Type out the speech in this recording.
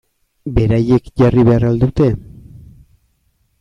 Beraiek jarri behar al dute?